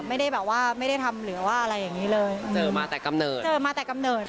ไม่ได้แบบว่าไม่ได้ทำหรือว่าอะไรอย่างงี้เลยเจอมาแต่กำเนิดเจอมาแต่กำเนิด